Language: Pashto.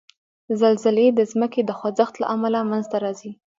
زلزلې د ځمکې د خوځښت له امله منځته راځي.